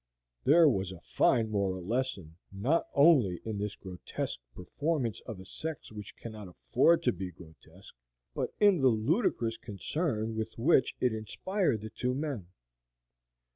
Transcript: There was a fine moral lesson, not only in this grotesque performance of a sex which cannot afford to be grotesque, but in the ludicrous concern with which it inspired the two men.